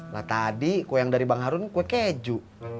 nah tadi kue yang dari bang harun kue keju